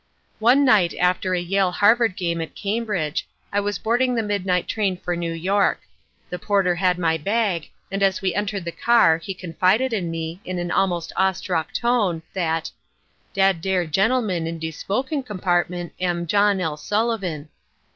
"One night after a Yale Harvard game at Cambridge, I was boarding the midnight train for New York. The porter had my bag, and as we entered the car, he confided in me, in an almost awestruck tone, that: 'Dad dere gentlemin in de smokin' compartment am John L. Sullivan.'